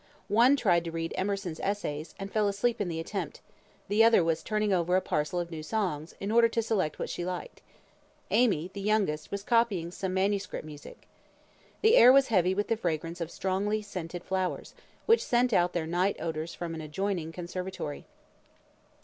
One tried to read "Emerson's Essays," and fell asleep in the attempt; the other was turning over a parcel of new music, in order to select what she liked. Amy, the youngest, was copying some manuscript music. The air was heavy with the fragrance of strongly scented flowers, which sent out their night odours from an adjoining conservatory.